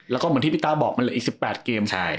แล้วก็เหมือนที่พี่ต้าบอกมันเหลืออีก๑๘เกม